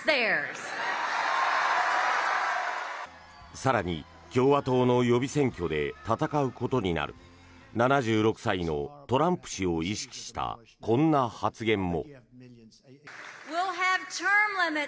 更に、共和党の予備選挙で戦うことになる７６歳のトランプ氏を意識したこんな発言も。